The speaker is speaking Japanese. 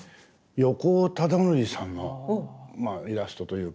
横尾忠則さんのイラストというか。